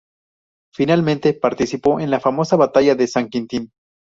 Finalmente participó en la famosa batalla de San Quintín.